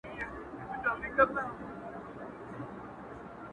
خو ما د لاس په دسمال ووهي ويده سمه زه ـ